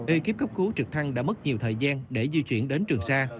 ekip cấp cứu trực thăng đã mất nhiều thời gian để di chuyển đến trường sa